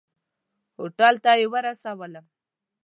هوټل ته یې ورسولم.